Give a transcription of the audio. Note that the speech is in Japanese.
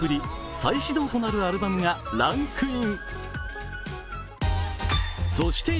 再始動となるアルバムがランクイン。